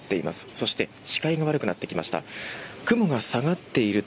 そして視界が悪くなってきました。